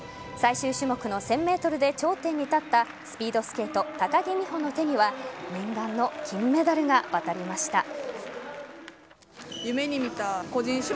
最終種目の１０００ｍで頂点に立ったスピードスケート高木美帆の手には念願の金メダルがわたりました。